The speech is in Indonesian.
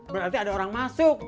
berarti ada orang masuk